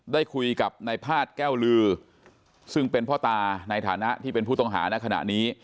ได้คุยกับนายพาดแก้วลือซึ่งเป็นพ่อตาในฐานะที่เป็นผู้ต้องหาในขณะนี้